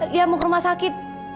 dia mau ke rumah sakit